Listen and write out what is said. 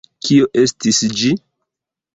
Kio estis ĝi?